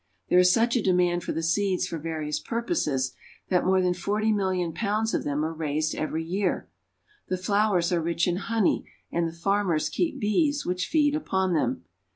There is such a demand for the seeds for various purposes, that more than forty million pounds of them are raised every year. The flowers are rich in honey, and the farmers keep bees, which feed upon them.